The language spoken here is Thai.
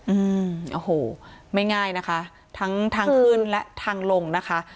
อืมโอ้โหไม่ง่ายนะคะทั้งทางขึ้นและทางลงนะคะ